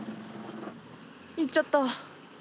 行っちゃった。